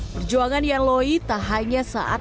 perjuangan yaloi tak hanya saat